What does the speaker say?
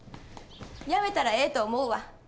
やめたらええと思うわ。